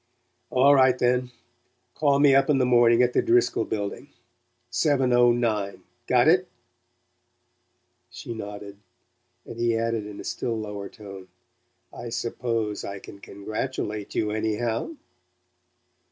"All right, then. Call me up in the morning at the Driscoll Building. Seven o nine got it?" She nodded, and he added in a still lower tone: "I suppose I can congratulate you, anyhow?"